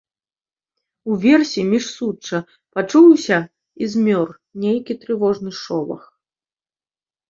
Уверсе, між сучча, пачуўся і змёр нейкі трывожны шолах.